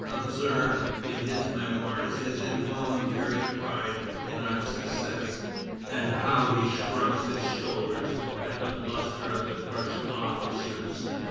Observe, in his Memoirs, his involuntary pride in our success, and how he shrugs his shoulders at the bluster of the Prussian officers."